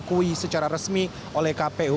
dan tidak diakui secara resmi oleh kpu